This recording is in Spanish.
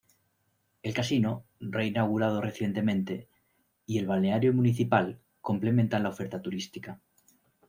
El casino, reinaugurado recientemente, y el balneario municipal complementan la oferta turística.